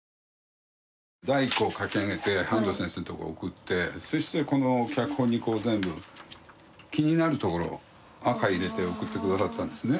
第１稿を書き上げて半藤先生のとこへ送ってそしてこの脚本にこう全部気になるところ赤入れて送って下さったんですね。